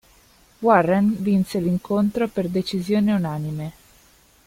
Warren vinse l'incontro per decisione unanime.